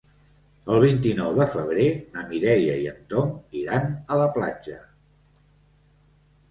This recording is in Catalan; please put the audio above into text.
El vint-i-nou de febrer na Mireia i en Tom iran a la platja.